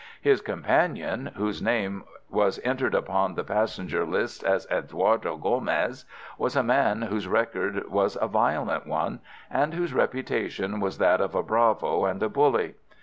His companion, whose name was entered upon the passenger lists as Eduardo Gomez, was a man whose record was a violent one, and whose reputation was that of a bravo and a bully.